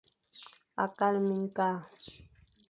Kala miñkal.